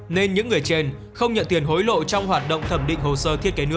nên những người trên không nhận tiền hối lộ trong hoạt động thẩm định hồ sơ